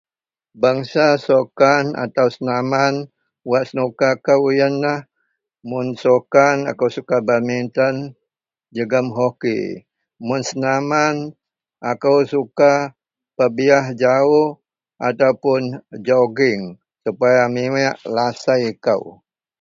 Bengsa sukan atau senaman wak senuka kou yenlah, mun sukan akou suka betmenten jegem hoki. Mun senaman akou suka pebiyah jawuk ataupun jogging supaya miweak lasei kou.